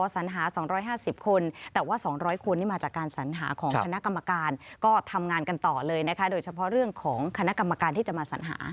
สัญหา๒๕๐คนแต่ว่า๒๐๐คนนี้มาจากการสัญหาของคณะกรรมการก็ทำงานกันต่อเลยนะคะโดยเฉพาะเรื่องของคณะกรรมการที่จะมาสัญหา